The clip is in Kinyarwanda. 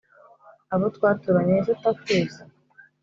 abo twaturanye tutakuzi?